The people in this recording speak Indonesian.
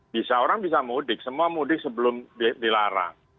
bisa orang bisa mudik semua mudik sebelum dilarang